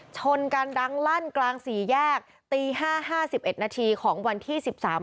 ชนกันดังลั่นกลางสี่แยกตีห้าห้าสิบเอ็ดนาทีของวันที่สิบสาม